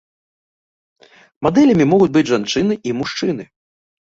Мадэлямі могуць быць жанчыны і мужчыны.